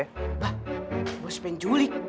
bah bos penculik